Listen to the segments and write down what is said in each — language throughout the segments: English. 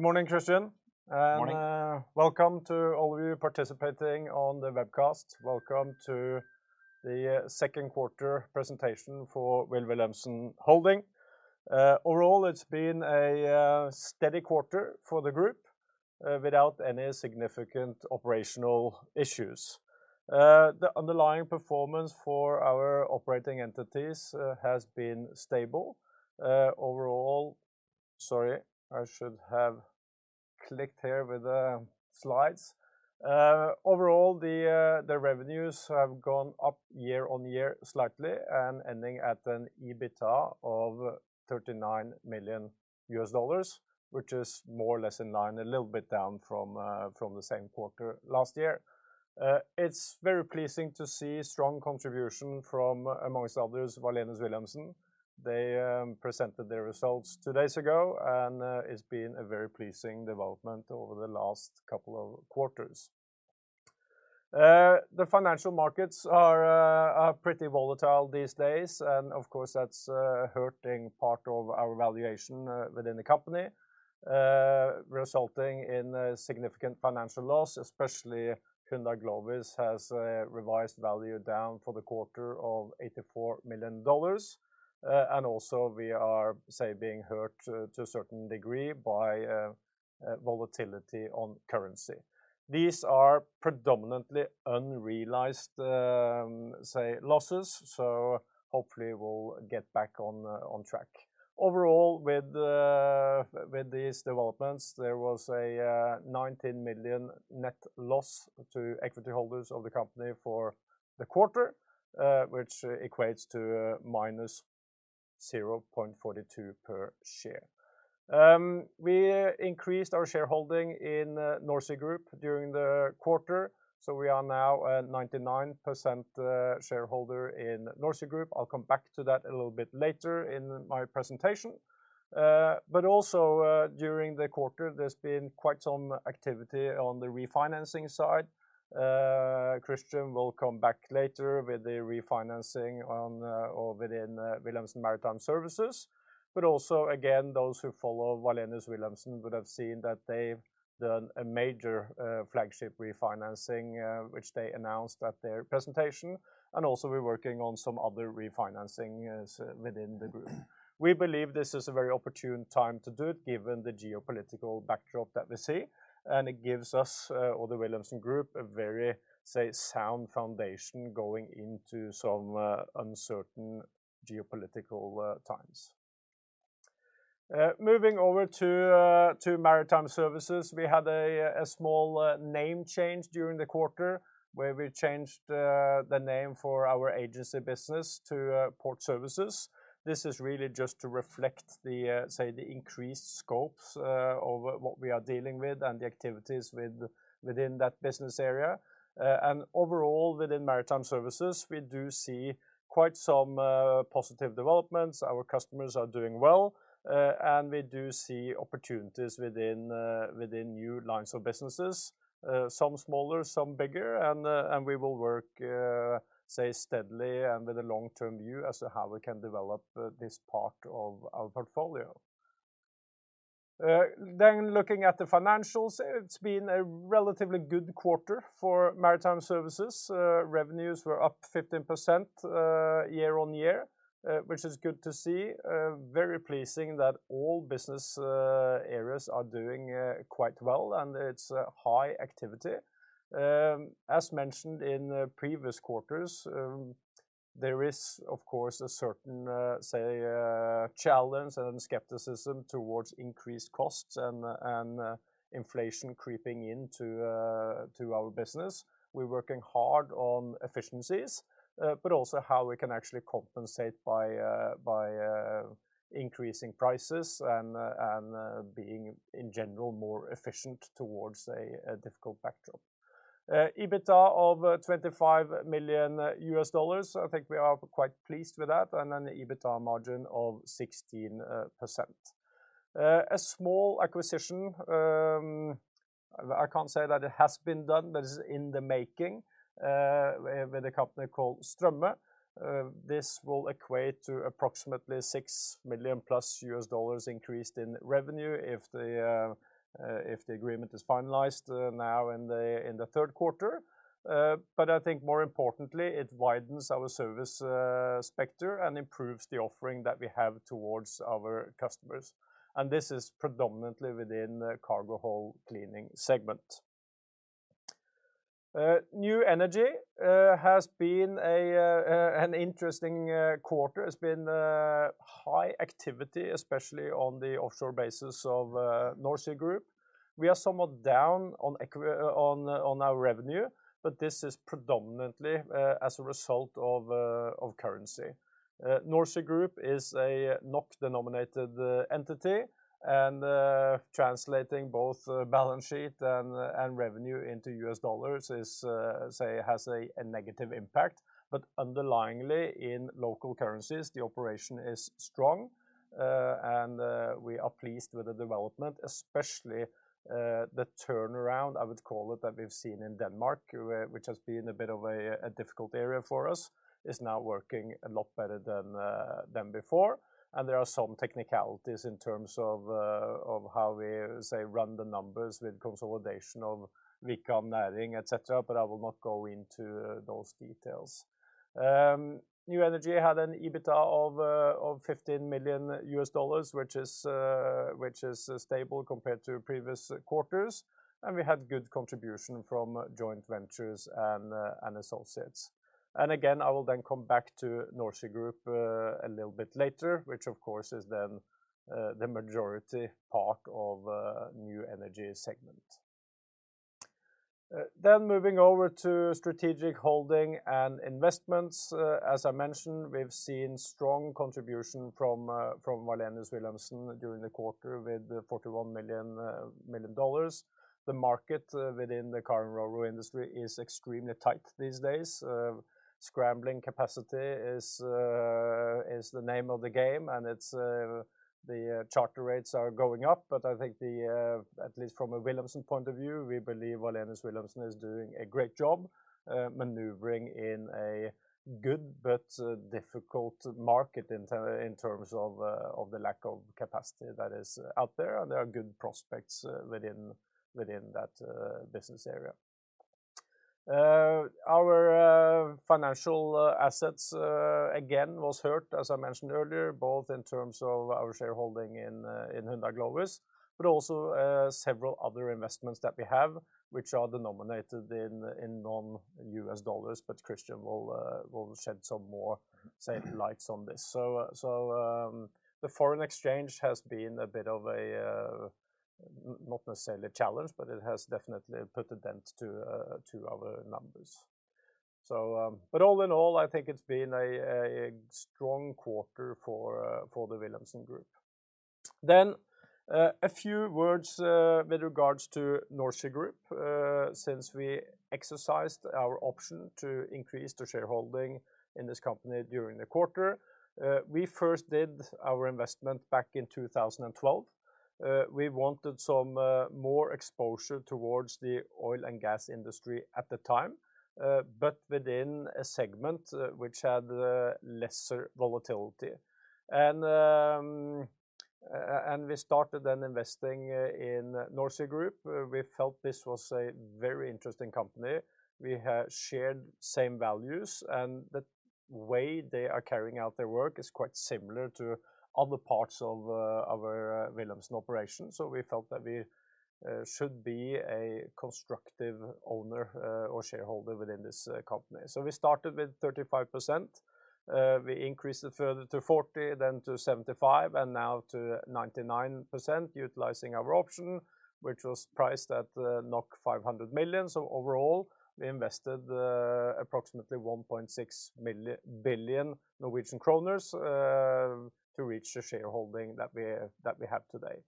Good morning, Christian. Morning. Welcome to all of you participating on the webcast. Welcome to the second quarter presentation for Wilh. Wilhelmsen Holding. Overall, it's been a steady quarter for the group without any significant operational issues. The underlying performance for our operating entities has been stable. Overall, the revenues have gone up year-on-year slightly and ending at an EBITDA of $39 million, which is more or less in line, a little bit down from the same quarter last year. It's very pleasing to see strong contribution from, among others, Wallenius Wilhelmsen. They presented their results two days ago, and it's been a very pleasing development over the last couple of quarters. The financial markets are pretty volatile these days, and of course, that's hurting part of our valuation within the company, resulting in a significant financial loss, especially Hyundai Glovis has a revised value down for the quarter of $84 million. We are being hurt to a certain degree by volatility on currency. These are predominantly unrealized losses, so hopefully we'll get back on track. Overall, with these developments, there was a $19 million net loss to equity holders of the company for the quarter, which equates to -$0.42 per share. We increased our shareholding in NorSea Group during the quarter, so we are now a 99% shareholder in NorSea Group. I'll come back to that a little bit later in my presentation. Also, during the quarter, there's been quite some activity on the refinancing side. Christian will come back later with the refinancing on, or within Wilhelmsen Maritime Services. Also again, those who follow Wallenius Wilhelmsen would have seen that they've done a major, flagship refinancing, which they announced at their presentation, and also we're working on some other refinancings within the group. We believe this is a very opportune time to do it given the geopolitical backdrop that we see, and it gives us, or the Wilhelmsen Group, a very, say, sound foundation going into some uncertain geopolitical times. Moving over to Maritime Services, we had a small name change during the quarter, where we changed the name for our agency business to Port Services. This is really just to reflect the, say, the increased scopes of what we are dealing with and the activities within that business area. Overall, within Maritime Services, we do see quite some positive developments. Our customers are doing well, and we do see opportunities within new lines of businesses, some smaller, some bigger, and we will work, say, steadily and with a long-term view as to how we can develop this part of our portfolio. Looking at the financials, it's been a relatively good quarter for Maritime Services. Revenues were up 15% year-on-year, which is good to see. Very pleasing that all business areas are doing quite well, and it's high activity. As mentioned in the previous quarters, there is, of course, a certain, say, challenge and skepticism towards increased costs and inflation creeping into our business. We're working hard on efficiencies, but also how we can actually compensate by increasing prices and being in general more efficient towards a difficult backdrop. EBITDA of $25 million. I think we are quite pleased with that, and an EBITDA margin of 16%. A small acquisition, I can't say that it has been done, but it's in the making, with a company called Stromme. This will equate to approximately $6+ million increased in revenue if the agreement is finalized, now in the third quarter. I think more importantly, it widens our servic e spectrum and improves the offering that we have toward our customers, and this is predominantly within the cargo hold cleaning segment. New Energy has been an interesting quarter. It's been high activity, especially on the offshore bases of NorSea Group. We are somewhat down on our revenue, but this is predominantly as a result of currency. NorSea Group is a NOK-denominated entity, and translating both balance sheet and revenue into U.S. Dollars has a negative impact. Underlyingly, in local currencies, the operation is strong, and we are pleased with the development, especially the turnaround, I would call it, that we've seen in Denmark, which has been a bit of a difficult area for us, is now working a lot better than before. There are some technicalities in terms of how we say run the numbers with consolidation of Vikan Næringspark, et cetera, but I will not go into those details. New Energy had an EBITDA of $15 million, which is stable compared to previous quarters. We had good contribution from joint ventures and associates. Again, I will then come back to NorSea Group a little bit later, which of course is then the majority part of New Energy segment. Moving over to strategic holding and investments. As I mentioned, we've seen strong contribution from Wallenius Wilhelmsen during the quarter with $41 million. The market within the car and RoRo industry is extremely tight these days. Scrambling for capacity is the name of the game, and the charter rates are going up. I think at least from a Wilhelmsen point of view, we believe Wallenius Wilhelmsen is doing a great job maneuvering in a good but difficult market in terms of the lack of capacity that is out there, and there are good prospects within that business area. Our financial assets, again, was hurt, as I mentioned earlier, both in terms of our shareholding in Hyundai Glovis, but also several other investments that we have, which are denominated in non-U.S. Dollars, but Christian will shed some more light on this. The foreign exchange has been a bit of a not necessarily a challenge, but it has definitely put a dent to our numbers. All in all, I think it's been a strong quarter for the Wilhelmsen Group. A few words with regards to NorSea Group, since we exercised our option to increase the shareholding in this company during the quarter. We first did our investment back in 2012. We wanted some more exposure towards the oil and gas industry at the time, but within a segment which had lesser volatility. We started then investing in NorSea Group. We felt this was a very interesting company. We had shared same values, and the way they are carrying out their work is quite similar to other parts of our Wilhelmsen operation. We felt that we should be a constructive owner or shareholder within this company. We started with 35%. We increased it further to 40%, then to 75%, and now to 99% utilizing our option, which was priced at 500 million. Overall, we invested approximately 1.6 billion Norwegian kroner to reach the shareholding that we have today.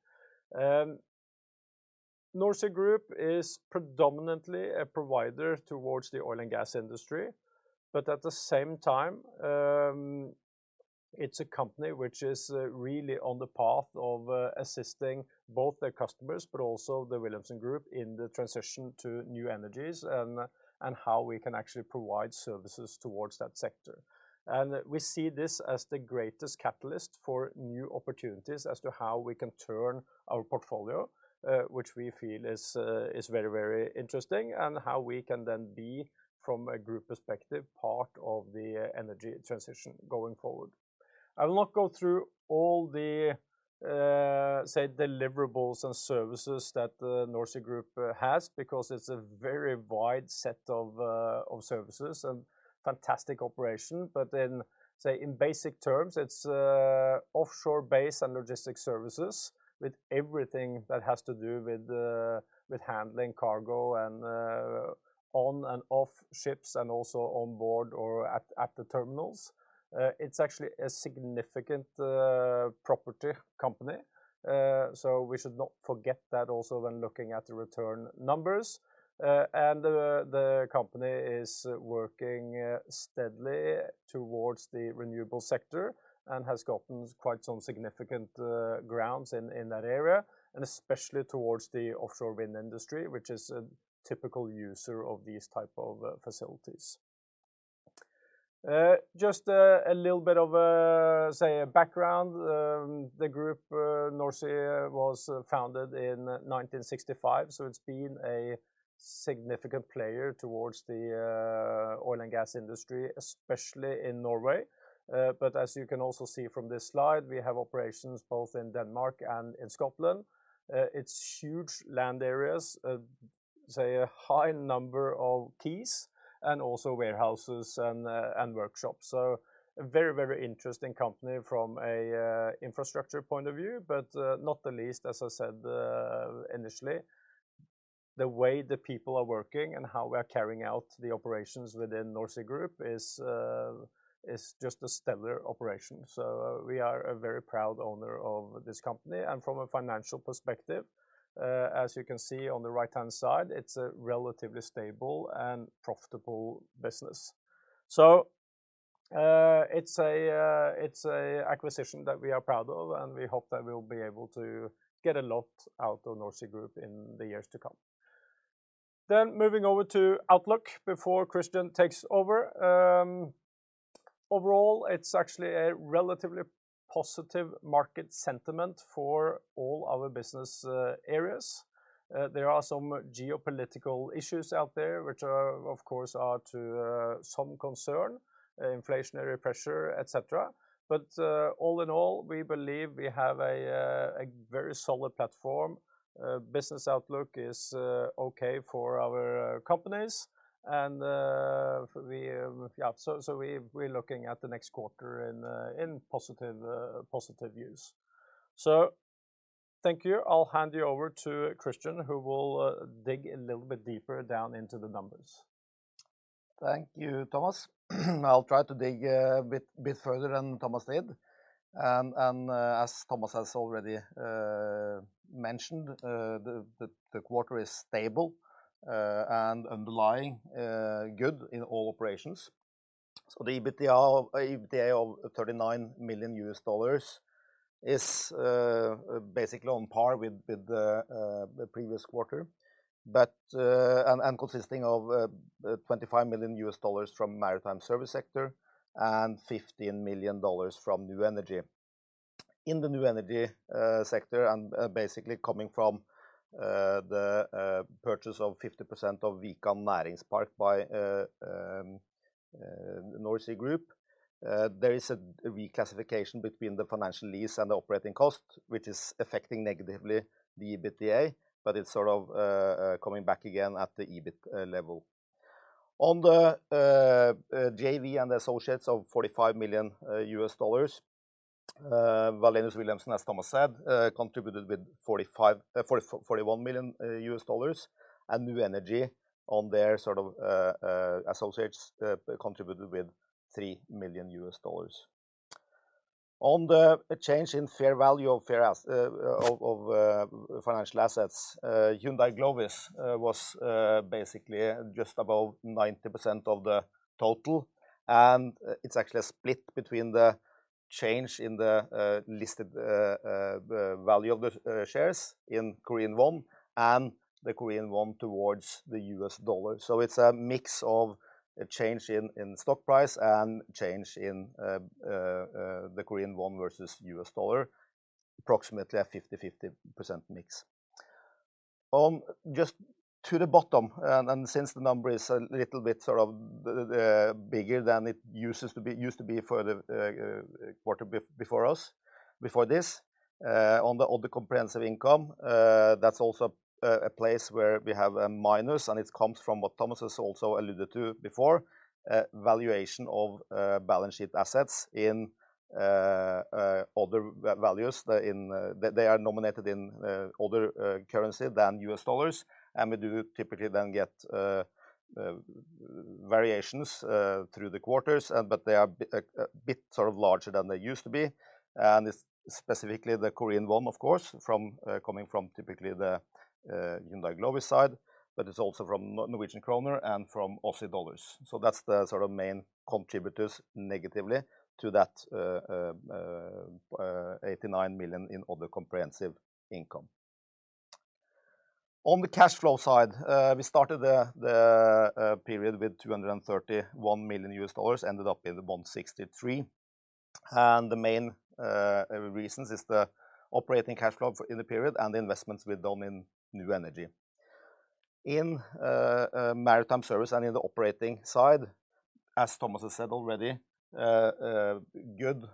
NorSea Group is predominantly a provider towards the oil and gas industry. At the same time, it's a company which is really on the path of assisting both their customers but also the Wilhelmsen group in the transition to new energies and how we can actually provide services towards that sector. We see this as the greatest catalyst for new opportunities as to how we can turn our portfolio, which we feel is very interesting, and how we can then be from a group perspective, part of the energy transition going forward. I will not go through all the say, deliverables and services that the NorSea Group has because it's a very wide set of services and fantastic operation. In basic terms, it's offshore base and logistic services with everything that has to do with handling cargo and on and off ships and also on board or at the terminals. It's actually a significant property company. So we should not forget that also when looking at the return numbers. The company is working steadily towards the renewable sector and has gotten quite some significant grounds in that area, and especially towards the offshore wind industry, which is a typical user of these type of facilities. Just a little bit of background. The group, NorSea was founded in 1965, so it's been a significant player towards the oil and gas industry, especially in Norway. As you can also see from this slide, we have operations both in Denmark and in Scotland. It's huge land areas, say a high number of quays and also warehouses and workshops. A very, very interesting company from a infrastructure point of view, but not the least, as I said, initially, the way the people are working and how we are carrying out the operations within NorSea Group is just a stellar operation. We are a very proud owner of this company, and from a financial perspective, as you can see on the right-hand side, it's a relatively stable and profitable business. It's an acquisition that we are proud of, and we hope that we'll be able to get a lot out of NorSea Group in the years to come. Moving over to outlook before Christian takes over. Overall, it's actually a relatively positive market sentiment for all our business areas. There are some geopolitical issues out there which are, of course, of some concern, inflationary pressure, etc. All in all, we believe we have a very solid platform. Business outlook is okay for our companies. We're looking at the next quarter in positive views. Thank you. I'll hand you over to Christian who will dig a little bit deeper down into the numbers. Thank you, Thomas. I'll try to dig a bit further than Thomas did. As Thomas has already mentioned, the quarter is stable and underlying good in all operations. The EBITDA of $39 million is basically on par with the previous quarter, but consisting of $25 million from Maritime Services sector and $15 million from New Energy. In the New Energy sector and basically coming from the purchase of 50% of Vikan Næringspark by NorSea Group, there is a reclassification between the financial lease and the operating cost, which is affecting negatively the EBITDA, but it's sort of coming back again at the EBIT level. On the JV and associates of $45 million, Wallenius Wilhelmsen, as Thomas said, contributed with $41 million and New Energy on their sort of associates contributed with $3 million. On the change in fair value of financial assets, Hyundai Glovis was basically just above 90% of the total, and it's actually a split between the change in the listed value of the shares in Korean won and the Korean won towards the U.S. dollar. It's a mix of a change in stock price and change in the Korean won versus U.S. dollar, approximately a 50%-50% mix. Just to the bottom, and since the number is a little bit sort of bigger than it used to be for the quarter before this, on the other comprehensive income, that's also a place where we have a minus and it comes from what Thomas has also alluded to before, valuation of balance sheet assets in other values. They are denominated in other currency than U.S. dollars, and we do typically then get variations through the quarters, but they are a bit sort of larger than they used to be. It's specifically the Korean won, of course, from coming from typically the Hyundai Glovis side, but it's also from Norwegian kroner and from Aussie dollars. That's the sort of main contributors negatively to that, $89 million in other comprehensive income. On the cash flow side, we started the period with $231 million, ended up with $163 million. The main reasons is the operating cash flow in the period and the investments we've done in New Energy. In Maritime Services and in the operating side, as Thomas has said already, good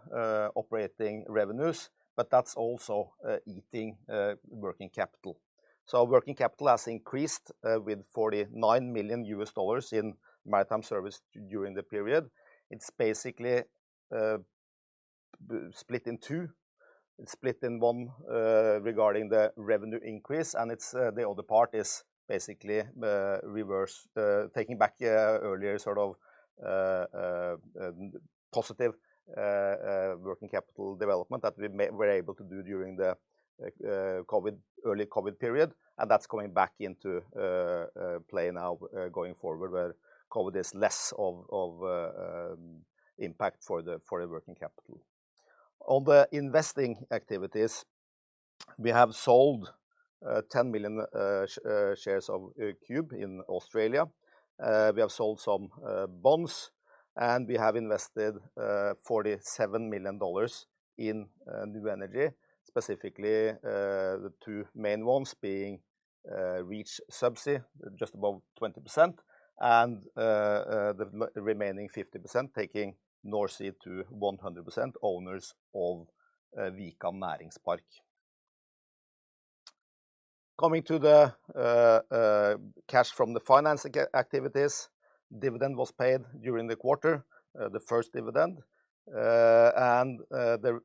operating revenues, but that's also eating working capital. Working capital has increased with $49 million in Maritime Services during the period. It's basically split in two, one regarding the revenue increase, and it's the other part is basically the reverse, taking back earlier sort of positive working capital development that we were able to do during the early COVID period. That's going back into play now, going forward where COVID is less of impact for the working capital. On the investing activities, we have sold 10 million shares of Qube in Australia. We have sold some bonds, and we have invested $47 million in New Energy, specifically the two main ones being Reach Subsea, just above 20%, and the remaining 50% taking NorSea to 100% owners of Vikan Næringspark. Coming to the cash from the financing activities, dividend was paid during the quarter, the first dividend. The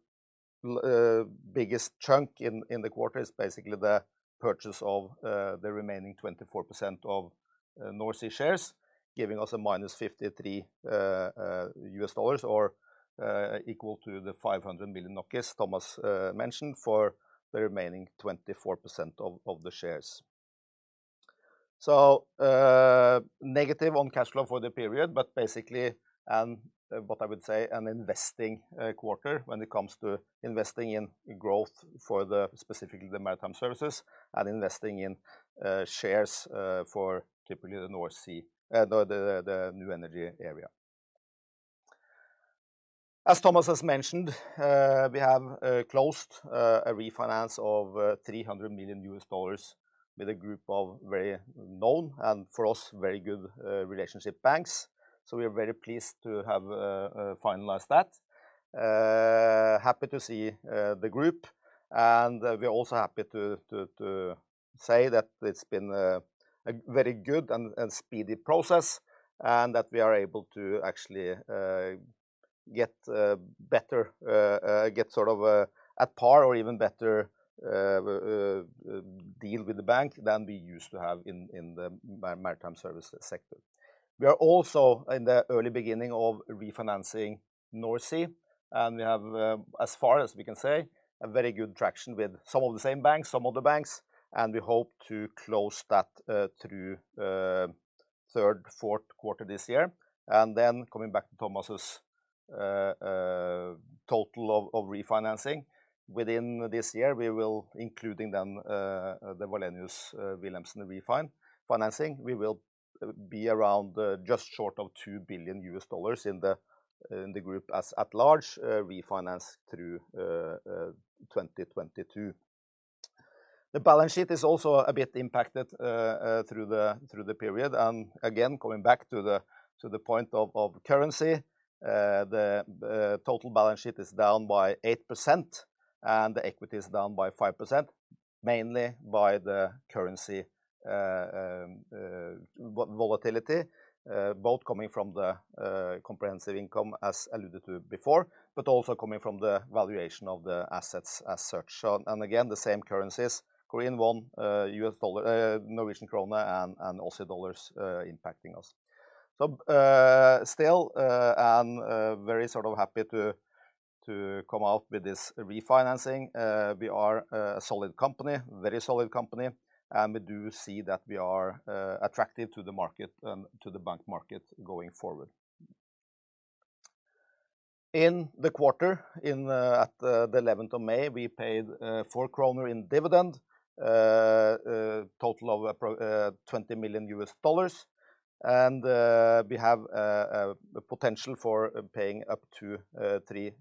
biggest chunk in the quarter is basically the purchase of the remaining 24% of NorSea shares, giving us -$53 million or equal to 500 million Thomas mentioned for the remaining 24% of the shares. Negative on cash flow for the period, but basically, and what I would say, an investing quarter when it comes to investing in growth for specifically the Maritime Services and investing in shares for typically the North Sea, the New Energy area. As Thomas has mentioned, we have closed a refinance of $300 million with a group of well-known, and for us, very good relationship banks. We are very pleased to have finalized that. Happy to see the group, and we are also happy to say that it's been a very good and speedy process and that we are able to actually get sort of at par or even better deal with the bank than we used to have in the Maritime Services sector. We are also in the early beginning of refinancing NorSea, and we have, as far as we can say, a very good traction with some of the same banks, some other banks, and we hope to close that through third, fourth quarter this year. Then coming back to Thomas's total of refinancing. Within this year, we will, including then, the Wallenius Wilhelmsen refinancing, we will be around just short of $2 billion in the group as at large, refinanced through 2022. The balance sheet is also a bit impacted through the period and again, coming back to the point of currency. The total balance sheet is down by 8% and the equity is down by 5% mainly by the currency volatility, both coming from the comprehensive income as alluded to before, but also coming from the valuation of the assets as such. And again, the same currencies, Korean won, U.S. dollar, Norwegian krone and also dollars, impacting us. Still very sort of happy to come out with this refinancing. We are a solid company, very solid company, and we do see that we are attractive to the market and to the bank market going forward. In the quarter at the 11th of May, we paid 4 kroner in dividend, total of $20 million, and we have a potential for paying up to 3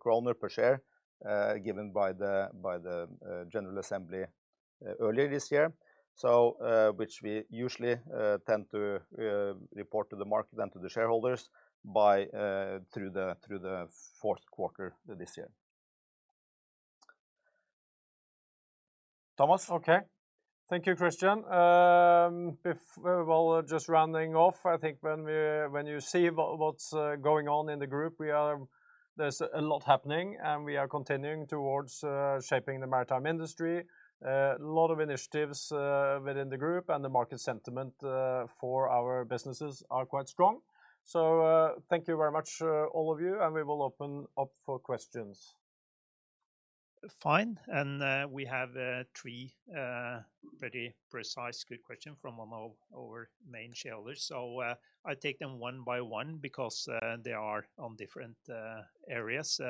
kroner per share, given by the general assembly earlier this year. Which we usually tend to report to the market and to the shareholders through the fourth quarter this year. Thomas? Okay. Thank you, Christian. As we're just rounding off, I think when you see what's going on in the group, there's a lot happening, and we are continuing towards shaping the maritime industry. A lot of initiatives within the group and the market sentiment for our businesses are quite strong. Thank you very much, all of you, and we will open up for questions. Fine. We have three pretty precise good questions from one of our main shareholders. I take them one by one because they are on different areas.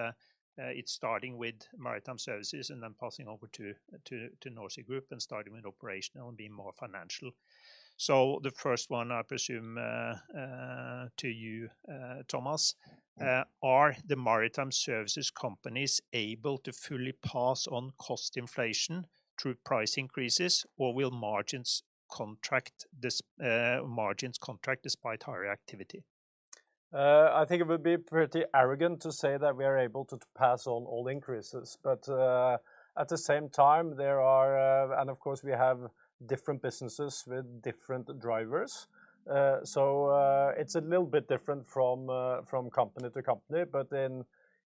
It's starting with Maritime Services and then passing over to NorSea Group and starting with operational and being more financial. The first one I presume it's to you, Thomas. Mm-hmm. Are the Maritime Services companies able to fully pass on cost inflation through price increases, or will margins contract despite higher activity? I think it would be pretty arrogant to say that we are able to pass on all increases. At the same time, there are and of course we have different businesses with different drivers. It's a little bit different from company to company.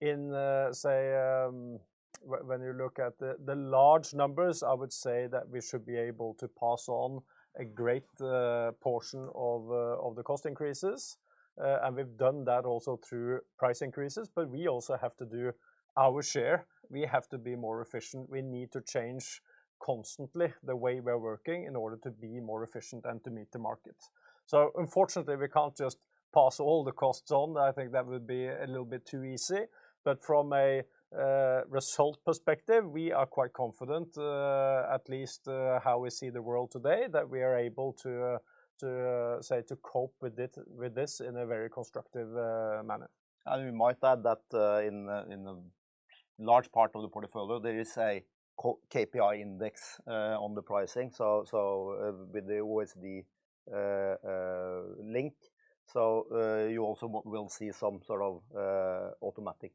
In, say, when you look at the large numbers, I would say that we should be able to pass on a great portion of the cost increases. We've done that also through price increases, but we also have to do our share. We have to be more efficient. We need to change constantly the way we are working in order to be more efficient and to meet the market. Unfortunately, we can't just pass all the costs on. I think that would be a little bit too easy. From a result perspective, we are quite confident, at least, how we see the world today, that we are able to, say, cope with this in a very constructive manner. We might add that in the large part of the portfolio, there is a CPI index on the pricing. With the OSD link, you also will see some sort of automatic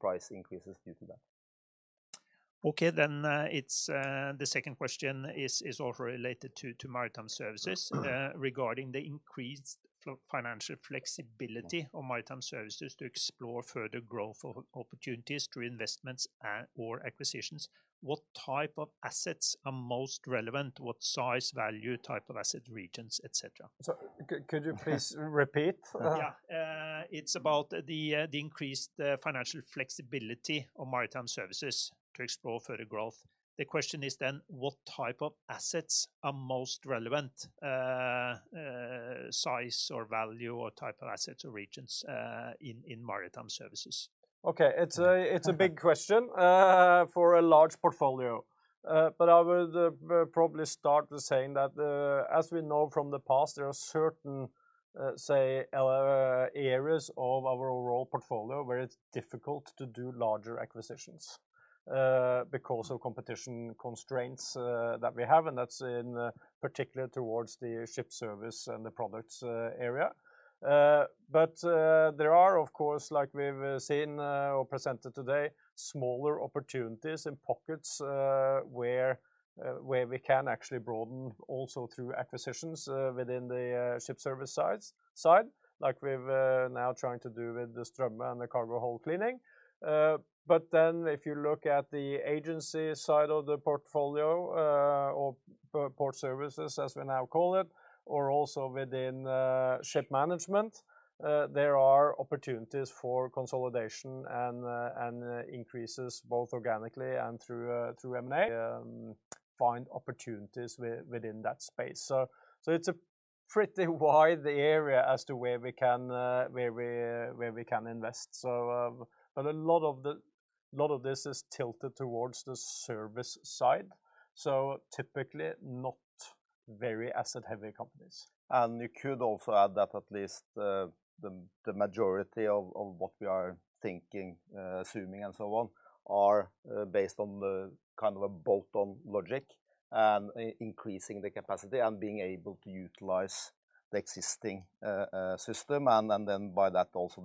price increases due to that. Okay, it's the second question, which is also related to Maritime Services regarding the increased financial flexibility. Mm of Maritime Services to explore further growth opportunities through investments or acquisitions. What type of assets are most relevant? What size, value, type of asset, regions, et cetera? Could you please repeat? Yeah. It's about the increased financial flexibility of Maritime Services to explore further growth. The question is then what type of assets are most relevant, size or value or type of assets or regions in Maritime Services? Okay. It's a big question for a large portfolio. I would probably start with saying that as we know from the past, there are certain areas of our overall portfolio where it's difficult to do larger acquisitions because of competition constraints that we have, and that's in particular towards the ship service and the products area. There are, of course, like we've seen or presented today, smaller opportunities in pockets where we can actually broaden also through acquisitions within the ship service side, like we've now trying to do with the Stromme and the cargo hold cleaning. If you look at the agency side of the portfolio, or Port Services, as we now call it, or also within ship management, there are opportunities for consolidation and increases both organically and through M&A find opportunities within that space. It's a pretty wide area as to where we can invest. A lot of this is tilted towards the service side, so typically not very asset-heavy companies. You could also add that at least the majority of what we are thinking, assuming and so on, are based on the kind of a bolt-on logic and increasing the capacity and being able to utilize the existing system and then by that also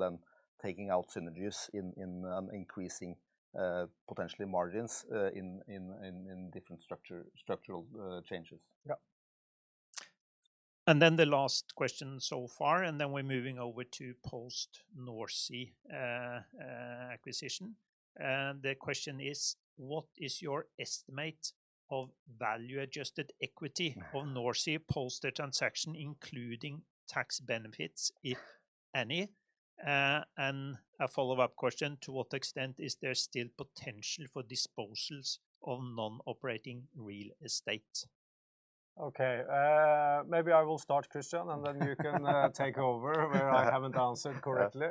taking out synergies in increasing potentially margins in different structural changes. Yeah. Then the last question so far, and then we're moving over to post NorSea acquisition. The question is, "What is your estimate of value-adjusted equity of NorSea post their transaction including tax benefits, if any?" A follow-up question, "To what extent is there still potential for disposals of non-operating real estate? Okay. Maybe I will start, Christian, and then you can take over where I haven't answered correctly.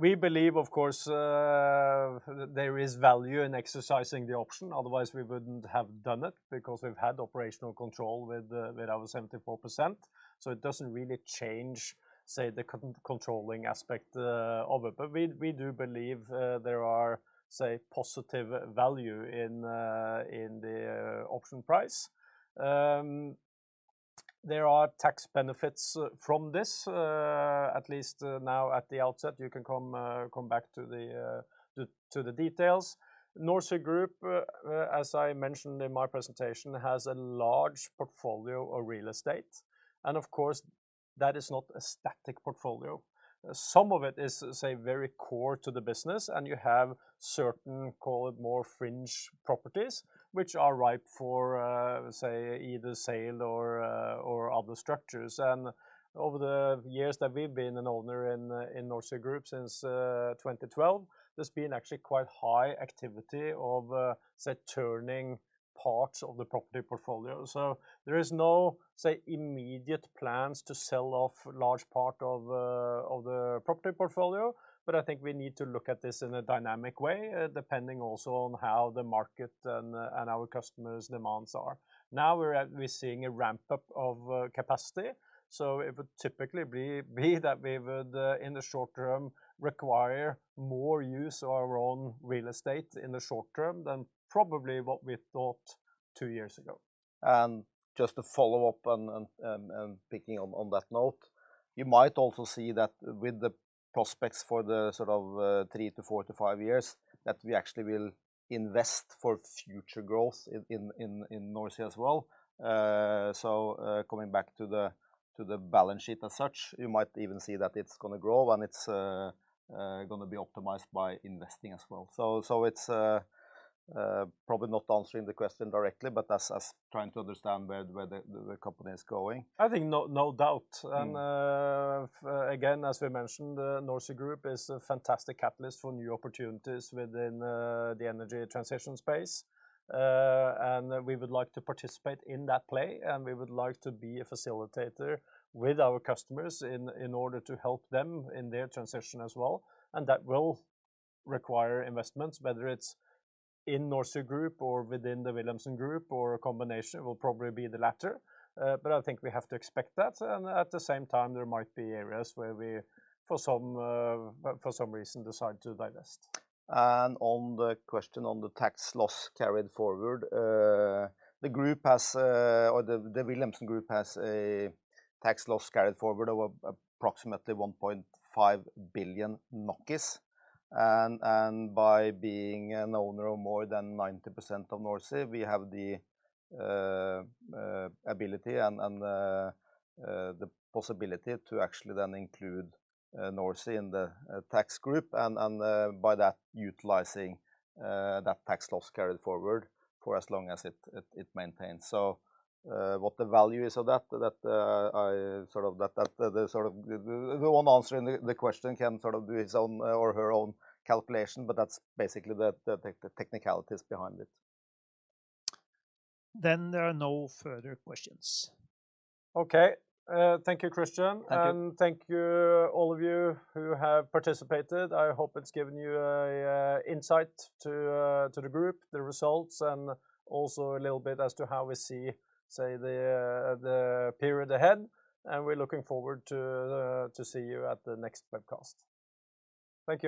We believe, of course, there is value in exercising the option, otherwise we wouldn't have done it because we've had operational control with our 74%, so it doesn't really change, say, the controlling aspect of it. We do believe there are, say, positive value in the option price. There are tax benefits from this, at least now at the outset. You can come back to the details. NorSea Group, as I mentioned in my presentation, has a large portfolio of real estate and of course that is not a static portfolio. Some of it is, say, very core to the business and you have certain, call it, more fringe properties which are ripe for, say, either sale or other structures. Over the years that we've been an owner in NorSea Group, since 2012, there's been actually quite high activity of, say, turning parts of the property portfolio. There is no, say, immediate plans to sell off large part of the property portfolio, but I think we need to look at this in a dynamic way, depending also on how the market and our customers' demands are. We're seeing a ramp up of capacity, so it would typically be that we would in the short term require more use of our own real estate in the short term than probably what we thought two years ago. Just to follow up, picking up on that note, you might also see that with the prospects for the sort of three years-five years, that we actually will invest for future growth in NorSea as well. Coming back to the balance sheet as such, you might even see that it's gonna grow and it's gonna be optimized by investing as well. It's probably not answering the question directly, but that's us trying to understand where the company is going. I think no doubt. Mm. Again, as we mentioned, NorSea Group is a fantastic catalyst for new opportunities within the energy transition space. We would like to participate in that play, and we would like to be a facilitator with our customers in order to help them in their transition as well. That will require investments, whether it's in NorSea Group or within the Wilhelmsen group or a combination. It will probably be the latter. I think we have to expect that, and at the same time, there might be areas where we, for some reason, decide to divest. On the question on the tax loss carried forward, the group has, or the Wilhelmsen group has a tax loss carried forward of approximately 1.5 billion, and by being an owner of more than 90% of NorSea, we have the ability and the possibility to actually then include NorSea in the tax group and by that, utilizing that tax loss carried forward for as long as it maintains. What the value is of that, I sort of, the one answering the question can sort of do his own or her own calculation, but that's basically the technicalities behind it. There are no further questions. Okay. Thank you, Christian. Thank you. Thank you all of you who have participated. I hope it's given you a insight to the group, the results, and also a little bit as to how we see, say, the period ahead. We're looking forward to see you at the next webcast. Thank you.